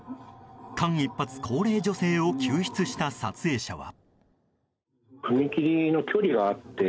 間一髪、高齢女性を救出した撮影者は。